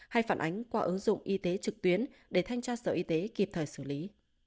hay phản ánh qua ứng dụng y tế trực tuyến để thanh tra sở y tế kịp thời xử lý